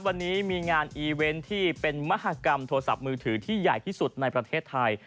วันนี้มีงานอีเวนต์ที่เป็นมหากรรมโทรศัพท์มือถือที่ใหญ่ที่สุดในประเทศไทย